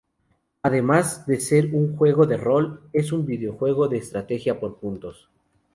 Además de ser un juego de rol, es un videojuego de estrategia por turnos.